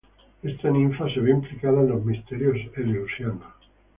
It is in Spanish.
Esta ninfa se ve implicada en los misterios eleusinos.